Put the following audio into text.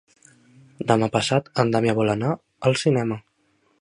Demà passat en Damià vol anar al cinema.